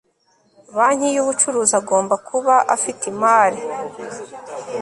banki y ubucuruzi agomba kuba afite imari